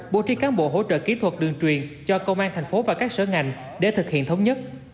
bố trí cán bộ hỗ trợ kỹ thuật đường truyền cho công an thành phố và các sở ngành để thực hiện thống nhất